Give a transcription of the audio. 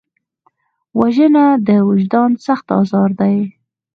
وژنه د وجدان سخت ازار دی